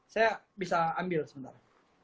saya bisa ambil sebentar